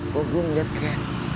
gua gua liat kayak